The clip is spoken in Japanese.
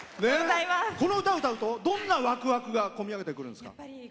この歌を歌うとどんなワクワクが込み上げてくるんですか？